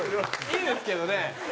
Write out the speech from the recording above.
いいんですけどね。